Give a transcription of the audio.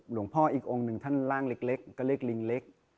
หลวงพ่ออีกองค์หนึ่งท่านร่างเล็กก็เรียกลิงเล็ก